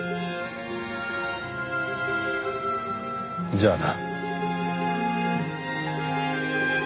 じゃあな。